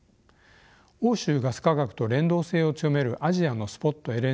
欧州ガス価格と連動性を強めるアジアのスポット